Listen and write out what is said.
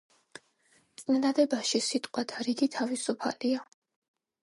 წინადადებაში სიტყვათა რიგი თავისუფალია.